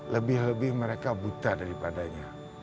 lebih lebih mereka buta daripadanya